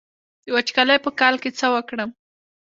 د وچکالۍ په کال کې څه وکړم؟